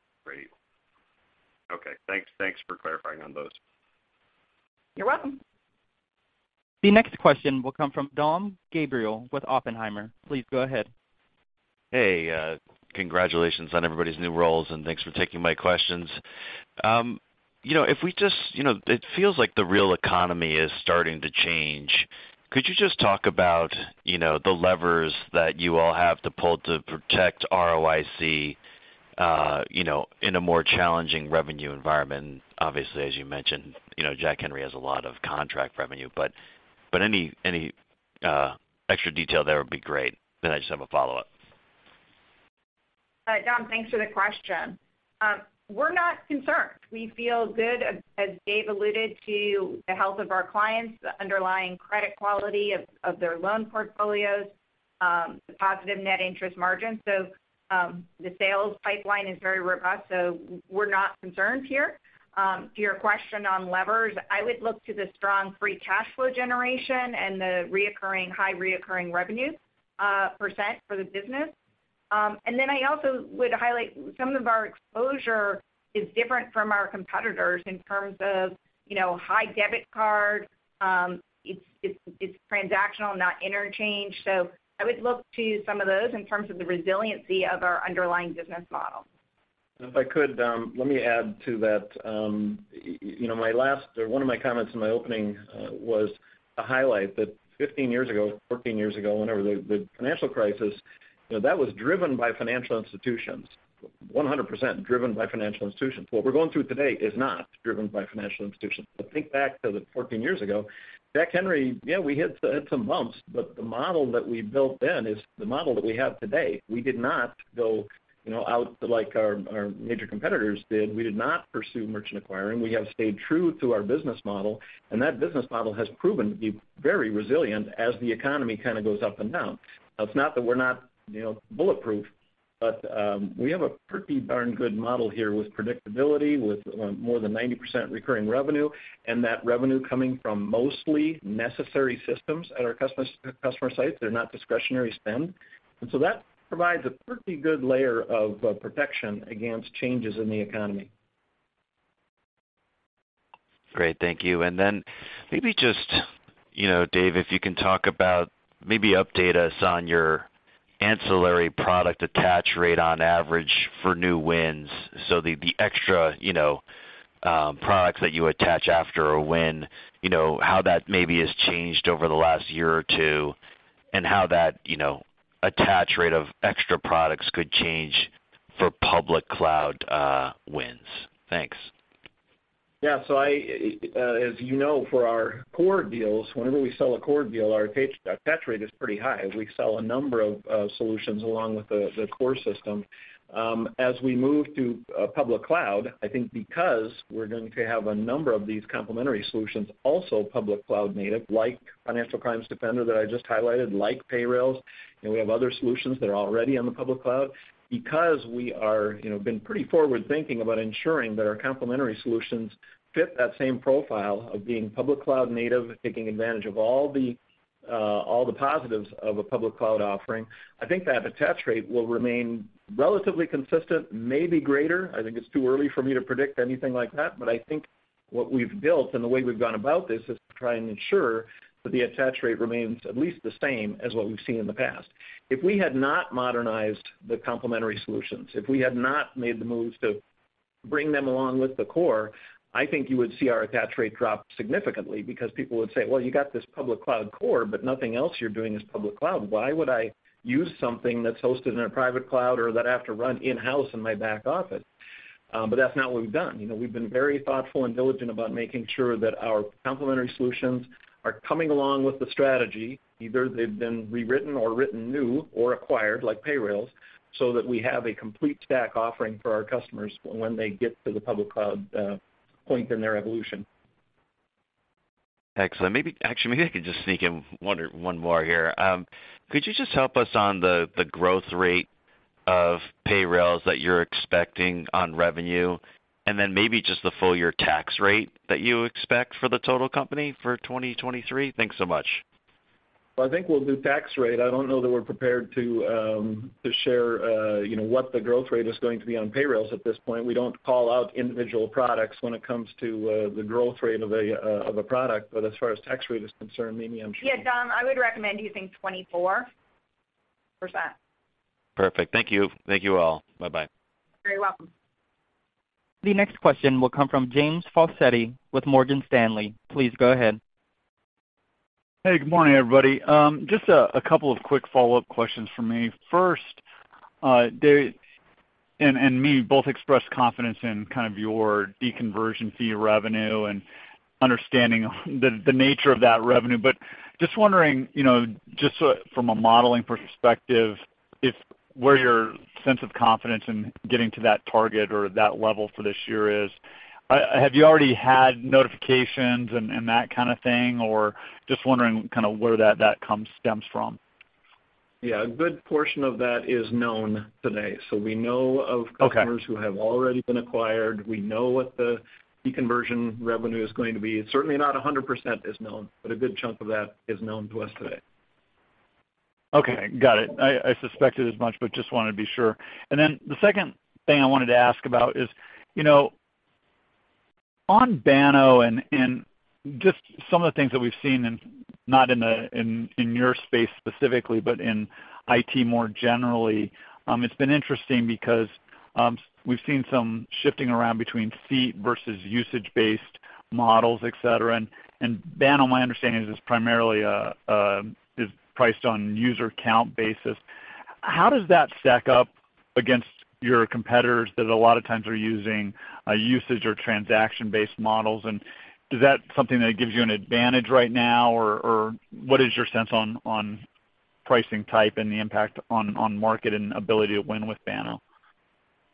Okay, thanks for clarifying on those. You're welcome. The next question will come from Dom Gabriele with Oppenheimer. Please go ahead. Hey, congratulations on everybody's new roles, and thanks for taking my questions. You know, it feels like the real economy is starting to change. Could you just talk about, you know, the levers that you all have to pull to protect ROIC, you know, in a more challenging revenue environment? Obviously, as you mentioned, you know, Jack Henry has a lot of contract revenue, but any extra detail there would be great. I just have a follow-up. All right, Dom, thanks for the question. We're not concerned. We feel good, as Dave alluded to, the health of our clients, the underlying credit quality of their loan portfolios, the positive net interest margin. The sales pipeline is very robust, so we're not concerned here. To your question on levers, I would look to the strong free cash flow generation and the recurring—high recurring revenue percent for the business. And then I also would highlight some of our exposure is different from our competitors in terms of, you know, high debit card, it's transactional, not interchange. I would look to some of those in terms of the resiliency of our underlying business model. If I could, let me add to that. You know, my last or one of my comments in my opening was to highlight that 15 years ago, 14 years ago, whenever the financial crisis, you know, that was driven by financial institutions, 100% driven by financial institutions. What we're going through today is not driven by financial institutions. Think back to the 14 years ago, Jack Henry, yeah, we hit some bumps, but the model that we built then is the model that we have today. We did not go, you know, out like our major competitors did. We did not pursue merchant acquiring. We have stayed true to our business model, and that business model has proven to be very resilient as the economy kind of goes up and down. It's not that we're not, you know, bulletproof, but we have a pretty darn good model here with predictability, with more than 90% recurring revenue, and that revenue coming from mostly necessary systems at our customer sites. They're not discretionary spend. That provides a pretty good layer of protection against changes in the economy. Great. Thank you. Maybe just, you know, Dave, if you can talk about maybe update us on your ancillary product attach rate on average for new wins. The extra, you know, products that you attach after a win, you know, how that maybe has changed over the last year or two, and how that, you know, attach rate of extra products could change for public cloud wins. Thanks. As you know, for our core deals, whenever we sell a core deal, our attach rate is pretty high. We sell a number of solutions along with the core system. As we move to public cloud, I think because we're going to have a number of these complementary solutions also public cloud native, like Financial Crimes Defender that I just highlighted, like Payrailz, and we have other solutions that are already on the public cloud. Because we are, you know, been pretty forward-thinking about ensuring that our complementary solutions fit that same profile of being public cloud native and taking advantage of all the positives of a public cloud offering, I think that attach rate will remain relatively consistent, maybe greater. I think it's too early for me to predict anything like that. I think what we've built and the way we've gone about this is to try and ensure that the attach rate remains at least the same as what we've seen in the past. If we had not modernized the complementary solutions, if we had not made the moves to bring them along with the core, I think you would see our attach rate drop significantly because people would say, "Well, you got this public cloud core, but nothing else you're doing is public cloud. Why would I use something that's hosted in a private cloud or that I have to run in-house in my back office?" That's not what we've done. You know, we've been very thoughtful and diligent about making sure that our complementary solutions are coming along with the strategy. Either they've been rewritten or written new or acquired, like Payrailz, so that we have a complete stack offering for our customers when they get to the public cloud point in their evolution. Excellent. Actually, maybe I could just sneak in one more here. Could you just help us on the growth rate of Payrailz that you're expecting on revenue? And then maybe just the full year tax rate that you expect for the total company for 2023? Thanks so much. Well, I think we'll do tax rate. I don't know that we're prepared to share, you know, what the growth rate is going to be on Payrailz at this point. We don't call out individual products when it comes to the growth rate of a product. As far as tax rate is concerned, maybe I'm sure- Yeah, Dom, I would recommend using 24%. Perfect. Thank you. Thank you all. Bye-bye. You're very welcome. The next question will come from James Faucette with Morgan Stanley. Please go ahead. Hey, good morning, everybody. Just a couple of quick follow-up questions from me. First, Dave and Mimi both expressed confidence in kind of your deconversion fee revenue and understanding the nature of that revenue. Just wondering, you know, just so from a modeling perspective, if where your sense of confidence in getting to that target or that level for this year is. Have you already had notifications and that kind of thing? Or just wondering kinda where that stems from. Yeah. A good portion of that is known today. We know of. Okay. Customers who have already been acquired. We know what the deconversion revenue is going to be. Certainly not 100% is known, but a good chunk of that is known to us today. Okay. Got it. I suspected as much, but just wanted to be sure. The second thing I wanted to ask about is, you know, on Banno and just some of the things that we've seen in, not in your space specifically, but in IT more generally, it's been interesting because, we've seen some shifting around between fee versus usage-based models, et cetera. Banno, my understanding is primarily priced on user count basis. How does that stack up against your competitors that a lot of times are using a usage or transaction-based models? Is that something that gives you an advantage right now or what is your sense on pricing type and the impact on market and ability to win with Banno?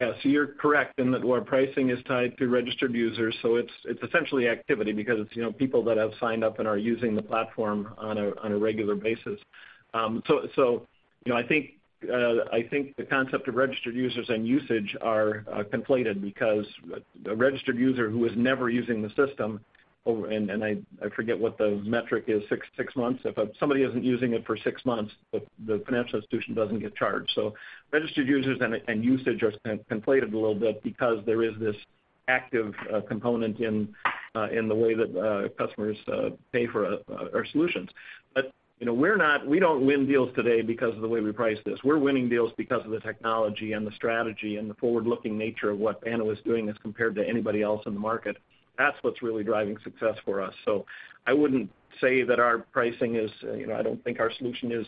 Yeah. You're correct in that our pricing is tied to registered users, so it's essentially activity because it's you know people that have signed up and are using the platform on a regular basis. You know, I think the concept of registered users and usage are conflated because a registered user who is never using the system and I forget what the metric is, six months. If somebody isn't using it for six months, the financial institution doesn't get charged. Registered users and usage are conflated a little bit because there is this active component in the way that customers pay for our solutions. You know, we don't win deals today because of the way we price this. We're winning deals because of the technology and the strategy and the forward-looking nature of what Banno is doing as compared to anybody else in the market. That's what's really driving success for us. So I wouldn't say that our pricing is, you know, I don't think our solution is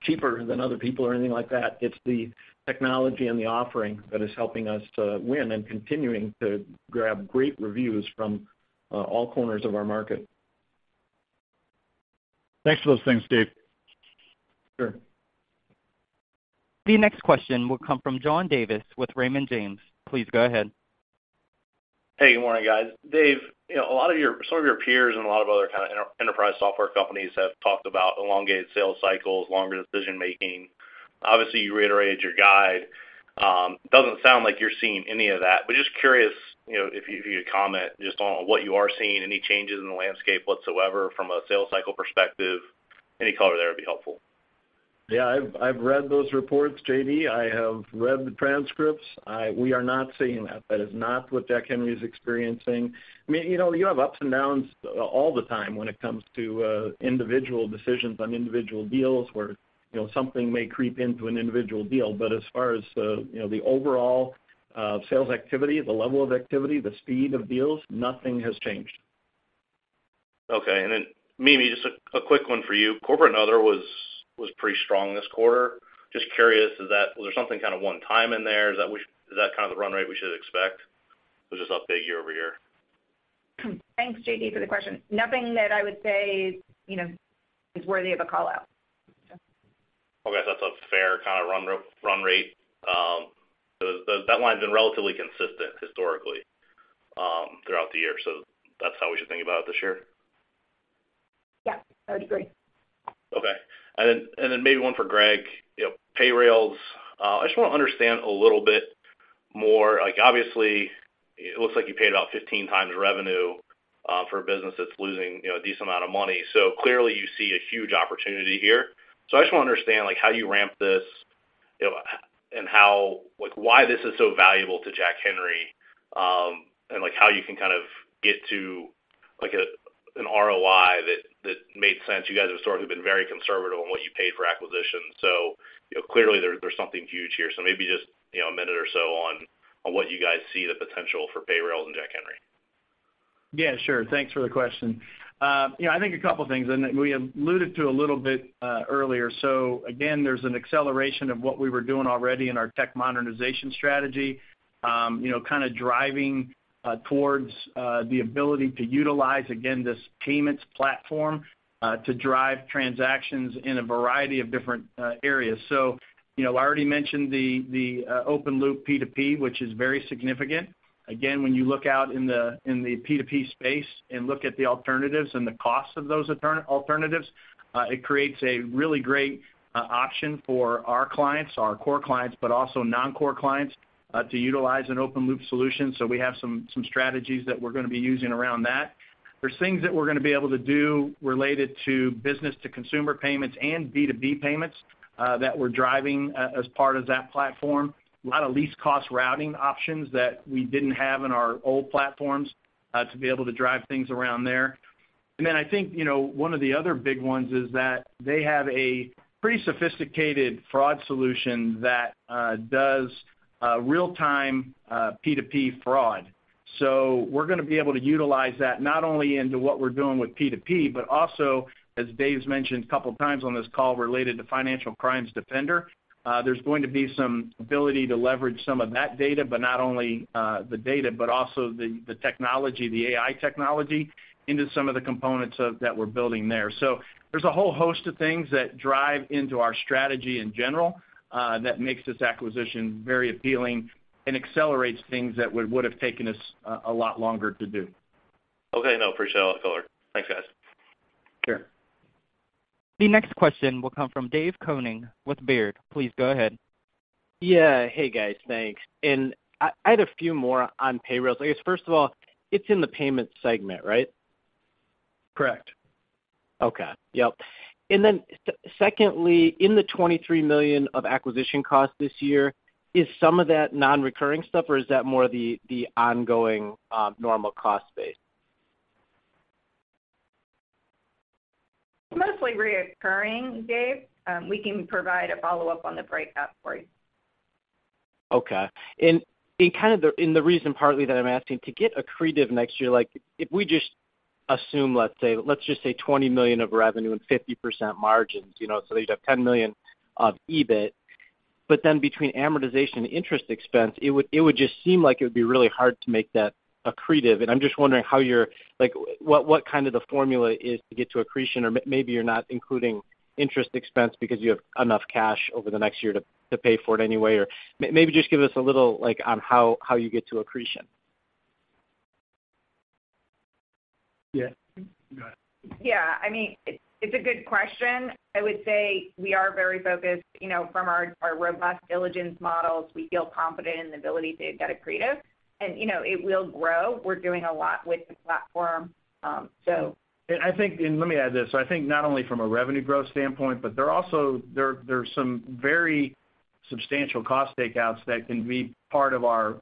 cheaper than other people or anything like that. It's the technology and the offering that is helping us to win and continuing to grab great reviews from all corners of our market. Thanks for those things, Dave. Sure. The next question will come from John Davis with Raymond James. Please go ahead. Hey, good morning, guys. Dave, you know, a lot of your some of your peers and a lot of other kind of enterprise software companies have talked about elongated sales cycles, longer decision-making. Obviously, you reiterated your guide. Doesn't sound like you're seeing any of that, but just curious, you know, if you could comment just on what you are seeing, any changes in the landscape whatsoever from a sales cycle perspective, any color there would be helpful. Yeah. I've read those reports, JD. I have read the transcripts. We are not seeing that. That is not what Jack Henry is experiencing. I mean, you know, you have ups and downs all the time when it comes to individual decisions on individual deals where, you know, something may creep into an individual deal. But as far as the overall sales activity, the level of activity, the speed of deals, nothing has changed. Okay. Mimi, just a quick one for you. Corporate and other was pretty strong this quarter. Just curious, is that? Was there something kind of one-time in there? Is that what? Is that kind of the run rate we should expect? Or is this up big year-over-year? Thanks, J.D., for the question. Nothing that I would say, you know, is worthy of a call-out. Okay. That's a fair kind of run rate. Is that line's been relatively consistent historically, throughout the year. That's how we should think about it this year? Yeah, I would agree. Okay. Then maybe one for Greg. You know, Payrailz, I just want to understand a little bit more. Like, obviously, it looks like you paid about 15x revenue for a business that's losing, you know, a decent amount of money. Clearly, you see a huge opportunity here. I just want to understand, like, how you ramp this, you know, and how like, why this is so valuable to Jack Henry, and, like, how you can kind of get to, like an ROI that made sense. You guys have sort of been very conservative on what you paid for acquisitions. You know, clearly there's something huge here. Maybe just, you know, a minute or so on what you guys see the potential for Payrailz and Jack Henry. Yeah, sure. Thanks for the question. You know, I think a couple things, and we alluded to a little bit, earlier. Again, there's an acceleration of what we were doing already in our tech modernization strategy, you know, kinda driving, towards, the ability to utilize, again, this payments platform, to drive transactions in a variety of different, areas. You know, I already mentioned the open loop P2P, which is very significant. Again, when you look out in the P2P space and look at the alternatives and the cost of those alternatives, it creates a really great, option for our clients, our core clients, but also non-core clients, to utilize an open loop solution. We have some strategies that we're gonna be using around that. There's things that we're gonna be able to do related to business to consumer payments and B2B payments, that we're driving as part of that platform. A lot of least cost routing options that we didn't have in our old platforms, to be able to drive things around there. Then I think, you know, one of the other big ones is that they have a pretty sophisticated fraud solution that does real-time P2P fraud. We're gonna be able to utilize that not only into what we're doing with P2P, but also, as Dave's mentioned a couple times on this call related to Financial Crimes Defender, there's going to be some ability to leverage some of that data, but not only the data, but also the technology, the AI technology into some of the components of that we're building there. There's a whole host of things that drive into our strategy in general, that makes this acquisition very appealing and accelerates things that would've taken us a lot longer to do. Okay. No, appreciate all the color. Thanks, guys. Sure. The next question will come from David Koning with Baird. Please go ahead. Yeah. Hey, guys. Thanks. I had a few more on Payrailz. I guess, first of all, it's in the payment segment, right? Correct. Okay. Yep. Secondly, in the $23 million of acquisition costs this year, is some of that non-recurring stuff, or is that more of the ongoing normal cost base? Mostly recurring, Dave. We can provide a follow-up on the breakout for you. Okay. In kind of the reason partly that I'm asking, to get accretive next year, like, if we just assume, let's say $20 million of revenue and 50% margins, you know, so that you'd have $10 million of EBIT. But then between amortization and interest expense, it would just seem like it would be really hard to make that accretive. I'm just wondering how you're like, what kind of the formula is to get to accretion or maybe you're not including interest expense because you have enough cash over the next year to pay for it anyway. Or maybe just give us a little, like, on how you get to accretion. Yeah. Go ahead. Yeah. I mean, it's a good question. I would say we are very focused. You know, from our robust diligence models, we feel confident in the ability to get accretive. You know, it will grow. We're doing a lot with the platform, so. I think and let me add this. I think not only from a revenue growth standpoint, but there are also, there's some very substantial cost takeouts that can be part of our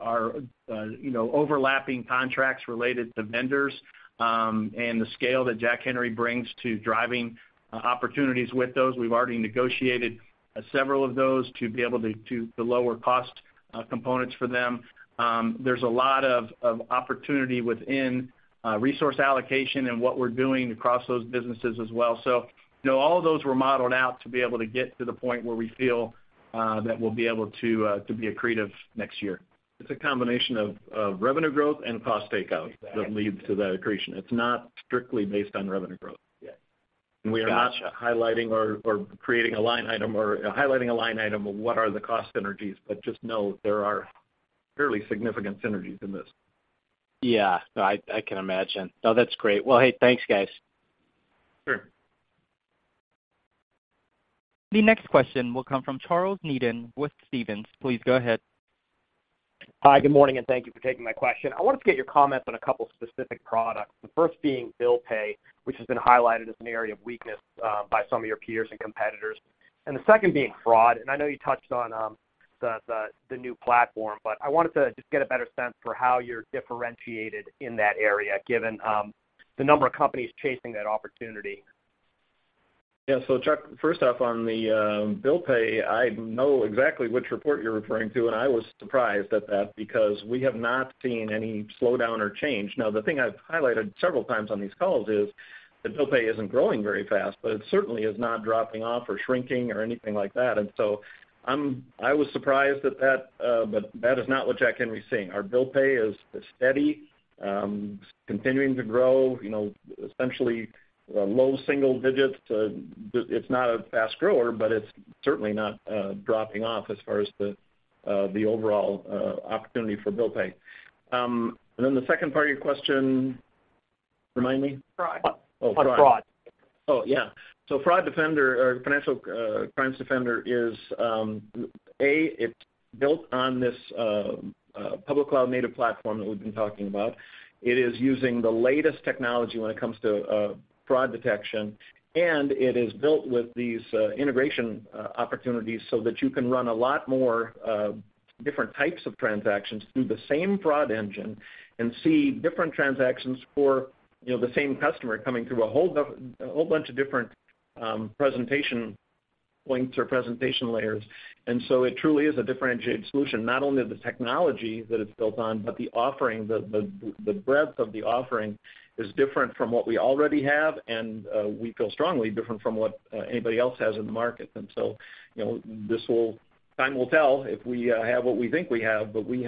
overlapping contracts related to vendors, and the scale that Jack Henry brings to driving opportunities with those. We've already negotiated several of those to be able to the lower cost components for them. There's a lot of opportunity within resource allocation and what we're doing across those businesses as well. You know, all of those were modeled out to be able to get to the point where we feel that we'll be able to be accretive next year. It's a combination of revenue growth and cost takeout that leads to that accretion. It's not strictly based on revenue growth. Yeah. We are not highlighting or creating a line item or highlighting a line item of what are the cost synergies, but just know there are fairly significant synergies in this. Yeah. No, I can imagine. No, that's great. Well, hey, thanks, guys. Sure. The next question will come from Charles Nabhan with Stephens. Please go ahead. Hi, good morning, and thank you for taking my question. I wanted to get your comments on a couple specific products. The first being bill pay, which has been highlighted as an area of weakness by some of your peers and competitors. The second being fraud. I know you touched on the new platform, but I wanted to just get a better sense for how you're differentiated in that area, given the number of companies chasing that opportunity. Yeah, Chuck, first off, on the bill pay, I know exactly which report you're referring to, and I was surprised at that because we have not seen any slowdown or change. Now, the thing I've highlighted several times on these calls is that bill pay isn't growing very fast, but it certainly is not dropping off or shrinking or anything like that. I was surprised at that, but that is not what Jack Henry is seeing. Our bill pay is steady, continuing to grow, you know, essentially low single digits. It's not a fast grower, but it's certainly not dropping off as far as the overall opportunity for bill pay. The second part of your question, remind me? Fraud. Oh, fraud. On fraud. Oh, yeah. Fraud Defender or Financial Crimes Defender is. It's built on this public cloud-native platform that we've been talking about. It is using the latest technology when it comes to fraud detection, and it is built with these integration opportunities so that you can run a lot more different types of transactions through the same fraud engine and see different transactions for, you know, the same customer coming through a whole bunch of different presentation links or presentation layers. It truly is a differentiated solution, not only the technology that it's built on, but the offering. The breadth of the offering is different from what we already have, and we feel strongly different from what anybody else has in the market. You know, this will. Time will tell if we have what we think we have, but we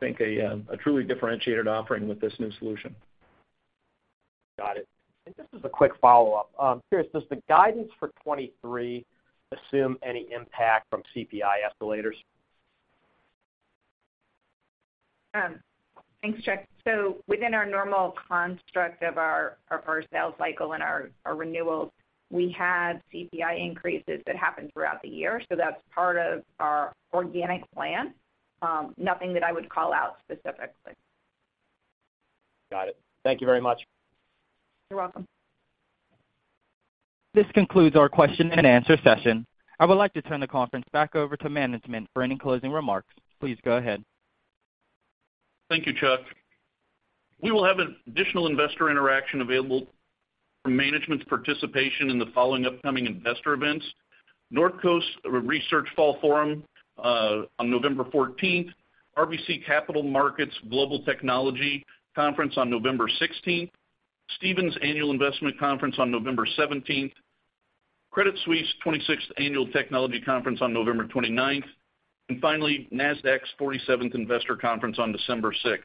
think a truly differentiated offering with this new solution. Got it. Just as a quick follow-up. Curious, does the guidance for 2023 assume any impact from CPI escalators? Thanks, Chuck. Within our normal construct of our sales cycle and our renewals, we have CPI increases that happen throughout the year, so that's part of our organic plan. Nothing that I would call out specifically. Got it. Thank you very much. You're welcome. This concludes our question and answer session. I would like to turn the conference back over to management for any closing remarks. Please go ahead. Thank you, Chuck. We will have an additional investor interaction available from management's participation in the following upcoming investor events. Northcoast Research Fall Forum on November 14th. RBC Capital Markets Global Technology Conference on November 16th. Stephens Annual Investment Conference on November 17th. Credit Suisse 26th Annual Technology Conference on November 29th. Finally, Nasdaq's 47th Investor Conference on December 6th.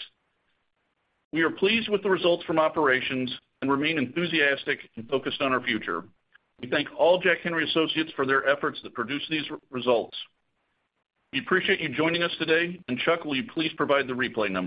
We are pleased with the results from operations and remain enthusiastic and focused on our future. We thank all Jack Henry associates for their efforts that produce these results. We appreciate you joining us today. Chuck, will you please provide the replay number?